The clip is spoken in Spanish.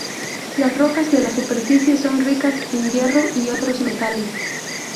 Las rocas de la superficie son ricas en hierro y otros metales.